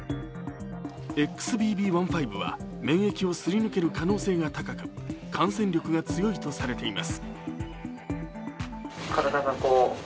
ＸＢＢ．１．５は免疫をすり抜ける可能性が高く感染力が強いとされています。